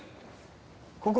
ここ？